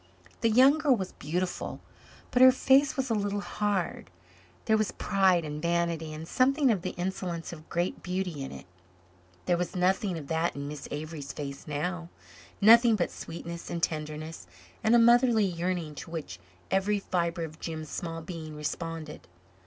The young girl was beautiful, but her face was a little hard. There was pride and vanity and something of the insolence of great beauty in it. There was nothing of that in Miss Avery's face now nothing but sweetness and tenderness, and a motherly yearning to which every fibre of Jims' small being responded.